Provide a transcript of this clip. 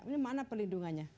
ini mana pelindungannya